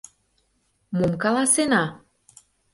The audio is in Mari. Мом каласена?